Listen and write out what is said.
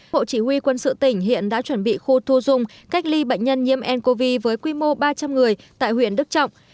bộ chỉ huy quân sự tỉnh hiện đã chuẩn bị khu thu dung cách ly bệnh nhân nhiễm ncov với quy mô ba trăm linh người tại huyện đức trọng